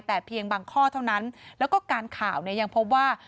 แต่เพียงบางข้อเท่านั้นแล้วก็การข่าวเนี่ยยังพบว่า